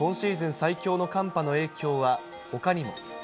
最強の寒波の影響は、ほかにも。